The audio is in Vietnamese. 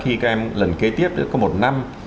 khi các em lần kế tiếp có một năm